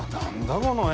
この絵。